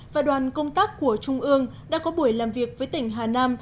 và đoàn công tác của trung ương đã có buổi làm việc với tỉnh hà nam